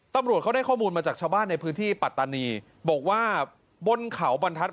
ตำรวจเขาได้ข้อมูลมาจากชาวบ้านในพื้นที่ปัตตานีบอกว่าบนเขาบรรทัศน